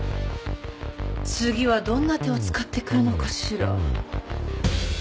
次はどんな手を使ってくるのかしら